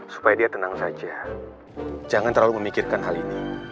supaya dia tenang saja jangan terlalu memikirkan hal ini